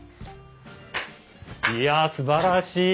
いやすばらしい。